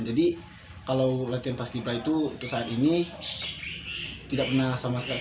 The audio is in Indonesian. jadi kalau latihan paskipra itu saat ini tidak pernah sama sekali